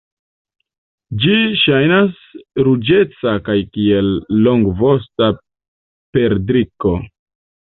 Ĝi ŝajnas ruĝeca kaj kiel longvosta perdriko.